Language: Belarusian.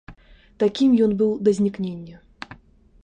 Такім ён быў да знікнення.